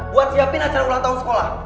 buat nyiapin acara ulang tahun sekolah